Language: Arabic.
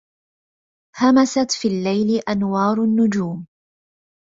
همست في الليل أنوار النجوم